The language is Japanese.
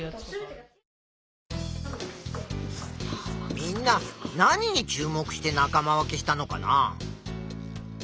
みんな何に注目して仲間分けしたのかな。